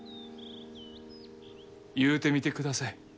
言うてみてください。